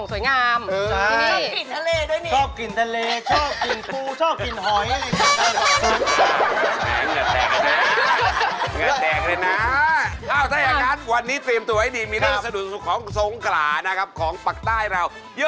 สวัสดีค่ะ